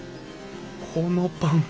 このパン